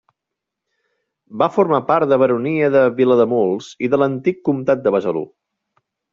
Va formar part de baronia de Vilademuls i de l'antic comtat de Besalú.